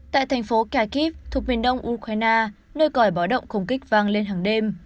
tại thành phố kiev thuộc miền đông ukraine nơi còi bó động công kích vang lên hàng đêm